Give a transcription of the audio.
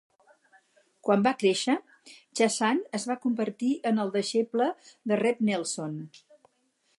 Quan va créixer, Chazan es va convertir en el deixeble de Reb Nelson.